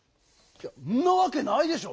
んなわけないでしょ！